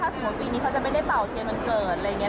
ถ้าสมมติตรงนี้เขาจะได้เป่าเทียนวันเกิด